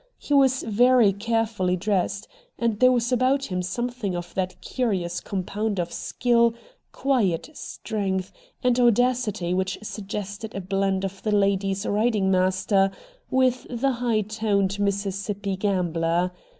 He was very carefully dressed, and there was about him something of that curious com pound of skill, quiet strength, and audacity which suggested a blend of the ladies' riding master with the high toned Mississippi gambler.